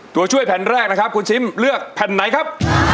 ตัวช่วยแผ่นแรกนะครับคุณชิมเลือกแผ่นไหนครับ